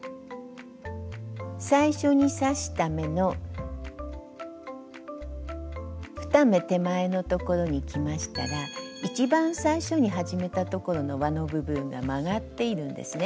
最初に刺した目の２目手前のところにきましたら一番最初に始めたところのわの部分が曲がっているんですね。